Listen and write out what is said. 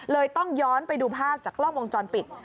ต้องย้อนไปดูภาพจากกล้องวงจรปิด